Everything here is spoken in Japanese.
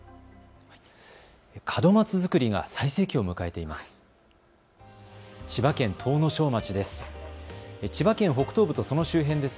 門松作りが最盛期を迎えています。